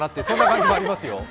そんな感じもありますよ。